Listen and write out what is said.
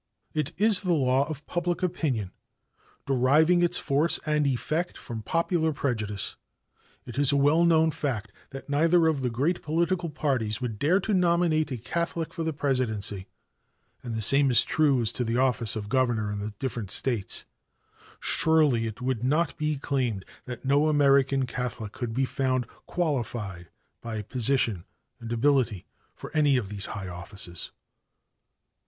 It is the law of public opinion deriving its force and effect from popular prejudice. It is a well known fact that neither of the great political parties would dare to nominate a Catholic for the Presidency, and the same is true as to the office of Governor in the different States. Surely it would not be claimed that no American Catholic could be found qualified by position and ability for any of these high offices.